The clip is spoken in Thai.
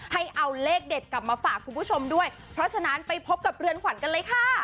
ให้เอาเลขเด็ดกลับมาฝากคุณผู้ชมด้วยเพราะฉะนั้นไปพบกับเรือนขวัญกันเลยค่ะ